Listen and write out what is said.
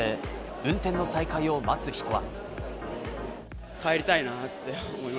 運転の再開を待つ人は。